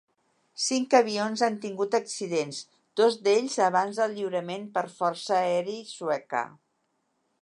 Cinc avions han tingut accidents, dos d'ells abans del lliurament per força Aeri Sueca.